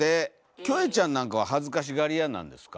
キョエちゃんなんかは恥ずかしがり屋なんですか？